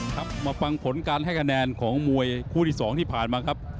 ครับมาฟังผลการให้คะแนนของมวยคู่ที่๒ที่ผ่านมาครับ